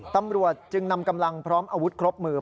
ตำรวจจึงนำกำลังพร้อมอาวุธครบมือ